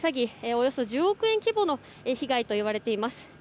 およそ１０億円規模の被害といわれています。